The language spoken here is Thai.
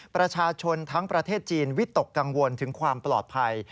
ประชาชนทั้งประเทศจีนวิตกกังวลถึงความปลอดภัย